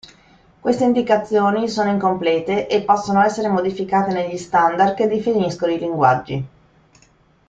Queste indicazioni sono incomplete e possono essere modificate negli standard che definiscono i linguaggi.